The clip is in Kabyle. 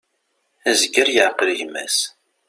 Azger yeεqel gma-s.